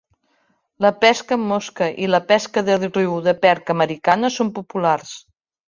La pesca amb mosca i la pesca de riu de perca americana són populars.